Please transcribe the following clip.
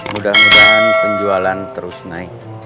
mudah mudahan penjualan terus naik